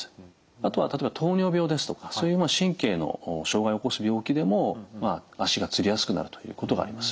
あとは例えば糖尿病ですとかそういう神経の障害を起こす病気でも足がつりやすくなるということがあります。